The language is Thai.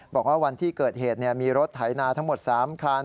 บอกว่าวันที่เกิดเหตุมีรถไถนาทั้งหมด๓คัน